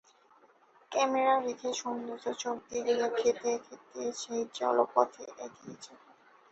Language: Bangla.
ক্যামেরা রেখে সৌন্দর্য চোখ দিয়ে গিলে খেতে খেতে সেই জলপথে এগিয়ে চলি।